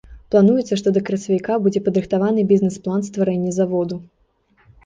Плануецца, што да красавіка будзе падрыхтаваны бізнэс-план стварэння заводу.